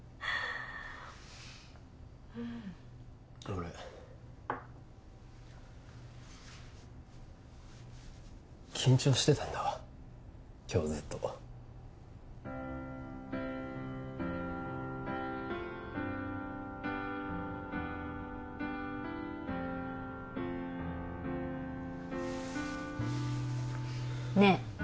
俺緊張してたんだわ今日ずっとねえ